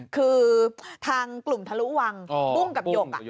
คือทางกลุ่มทะลุวังบุ้งกับหยก